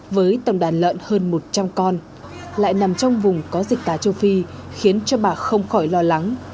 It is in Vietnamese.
với tổng đàn lợn hơn một trăm linh con lại nằm trong vùng có dịch tả châu phi khiến cho bà không khỏi lo lắng